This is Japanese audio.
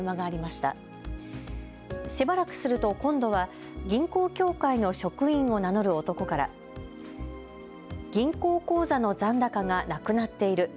しばらくすると今度は銀行協会の職員を名乗る男から銀行口座の残高がなくなっている。